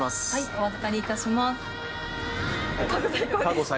お預かりいたします。